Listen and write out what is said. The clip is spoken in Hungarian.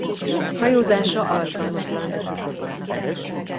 Hajózásra alkalmatlan.